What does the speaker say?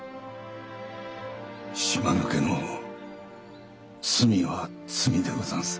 島抜けの罪は罪でござんす。